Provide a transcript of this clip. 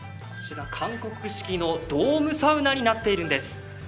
こちら韓国式のドームサウナになっているんです。